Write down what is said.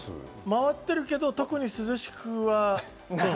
回ってるけど特に涼しくは。